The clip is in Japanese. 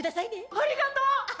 ありがとう！